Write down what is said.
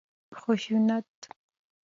خشونت